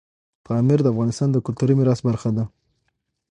پامیر د افغانستان د کلتوري میراث برخه ده.